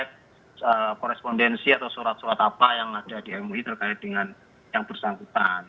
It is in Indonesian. kita belum cek korespondensi atau surat surat apa yang ada di mui terkait dengan yang persangkutan